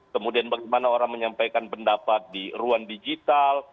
kemudian bagaimana orang menyampaikan pendapat di ruang digital